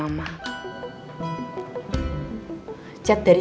udah ke kamar dulu